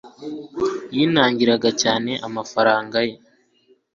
yinangira cyane amafaranga ye